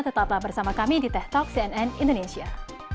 tetaplah bersama kami di teh talk cnn indonesia